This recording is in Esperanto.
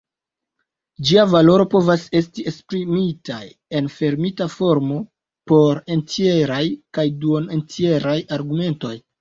Ĝia valoro povas esti esprimitaj en fermita formo por entjeraj kaj duono-entjeraj argumentoj.